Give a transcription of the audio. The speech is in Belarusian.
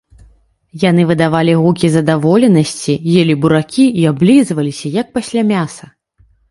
Яны выдавалі гукі задаволенасці, елі буракі і аблізваліся, як пасля мяса.